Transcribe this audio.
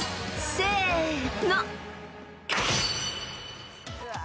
［せの］